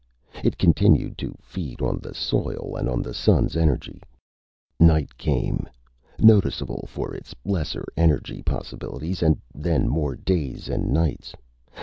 It continued to feed on the soil and on the Sun's energy. Night came, noticeable for its lesser energy possibilities, and then more days and nights.